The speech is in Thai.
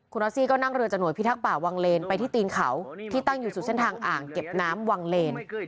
คุณรัสซี่ก็นั่งเรือจากหน่วยพิทักษ์ป่าวังเลนไปที่ตีนเขาที่ตั้งอยู่สุดเส้นทางอ่างเก็บน้ำวังเลน